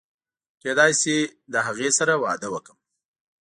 کېدای شي له هغې سره واده وکړم.